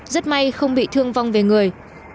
rất may không bị thương vong về người